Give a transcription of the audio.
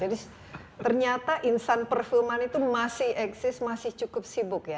jadi ternyata insan perfilman itu masih eksis masih cukup sibuk ya